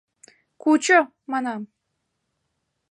Кучо, манам!..